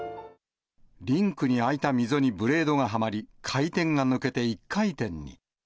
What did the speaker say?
リンクにあいた溝にブレードがはまり、回転が抜けて１回転に。